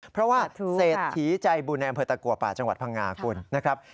เพราะว่าเศรษฐีใจบุญในอำเภอตะกัวป่าจังหวัดพังงาคุณนะครับ